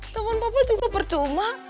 telepon papa juga percuma